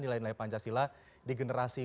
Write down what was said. nilai nilai pancasila di generasi